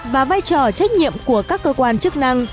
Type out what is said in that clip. và vai trò trách nhiệm của các cơ quan chức năng